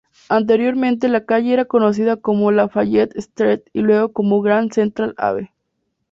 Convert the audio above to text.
Anteriormente la calle era conocida como Lafayette Street y luego como Grand Central Ave.